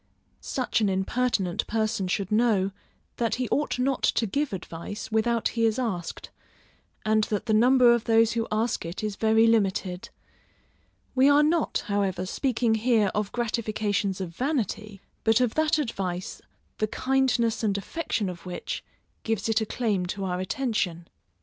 Such an impertinent person should know, that he ought not to give advice without he is asked, and that the number of those who ask it is very limited: we are not, however, speaking here of gratifications of vanity, but of that advice, the kindness and affection of which, gives it a claim to our attention.